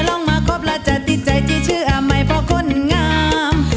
ล้องมาครบละจะติดใจจะเชื่อใหม่เพราะคนงาม